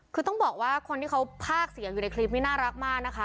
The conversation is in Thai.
คือต้องบอกว่าคนที่เขาภาคเสียงอยู่ในคลิปนี้น่ารักมากนะคะ